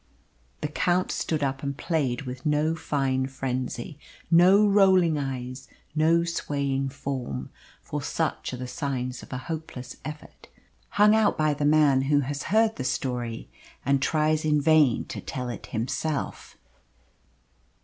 The Count stood up and played with no fine frenzy, no rolling eyes, no swaying form; for such are the signs of a hopeless effort, hung out by the man who has heard the story and tries in vain to tell it himself.